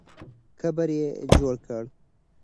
قبر یې جوړ کړه.